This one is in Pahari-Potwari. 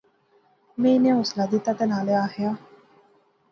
میں انیں حوصلہ دتا تہ نالے آخیا